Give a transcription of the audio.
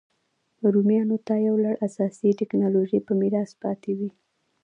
رومیانو ته یو لړ اساسي ټکنالوژۍ په میراث پاتې وې